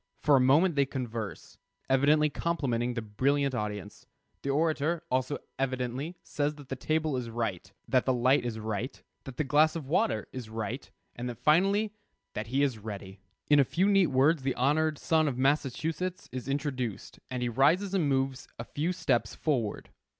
For a moment they converse, evidently complimenting the brilliant audience. The orator, also, evidently says that the table is right, that the light is right, that the glass of water is right, and finally that he is ready. In a few neat words "the honored son of Massachusetts" is introduced, and he rises and moves a few steps forward.